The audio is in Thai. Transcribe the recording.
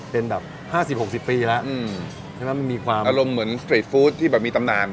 เป็นแบบห้าสิบหกสิบปีแล้วอืมใช่ไหมมันมีความอารมณ์เหมือนที่แบบมีตำนาน